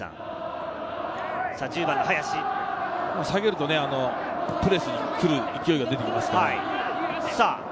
下げるとプレスに来る勢いが出てきますから。